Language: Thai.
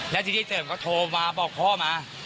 และที่ที่แทนก้โทรมาบอกพ่อมา